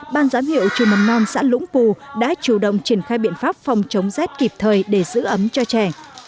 ban giám hiệu trường mầm non xã lũng pù đã chủ động triển khai biện pháp phòng chống rét kịp thời để giữ ấm cho trẻ